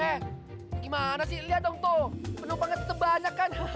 eh gimana sih lihat dong tuh penumpangnya sebanyak kan